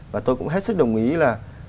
và tôi cũng hết sức đồng ý là